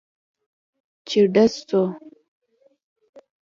چې ډز سو.